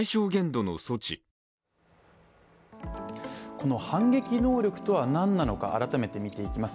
この反撃能力とは何なのか改めて見ていきます。